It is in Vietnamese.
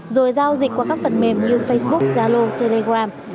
rồi giao dịch qua các phần mềm như facebook zalo telegram